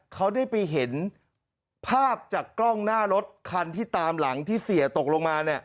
เขาได้ไปเห็นภาพจากกล้องหน้ารถคันที่ตามหลังที่เสียตกลงมา